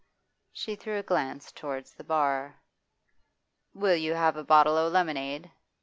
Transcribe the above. She threw a glance towards the bar. 'Will you have a bottle o' lemonade?